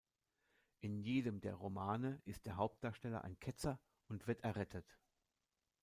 In jedem der Romane ist der Hauptdarsteller ein Ketzer und wird „errettet“.